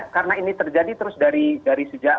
karena ini terjadi terus dari sejak